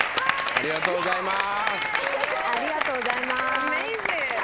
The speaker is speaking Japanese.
ありがとうございます。